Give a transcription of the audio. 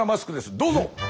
どうぞ！え？